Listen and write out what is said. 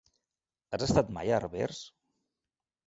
Has estat mai a Herbers?